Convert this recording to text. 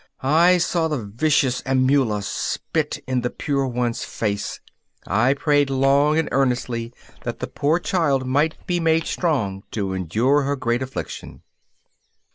I saw the vicious Amula spit in the pure one's face. I prayed long and earnestly that the poor child might be made strong to endure her great affliction.